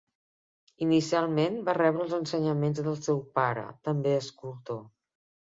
Inicialment va rebre els ensenyaments del seu pare, també escultor.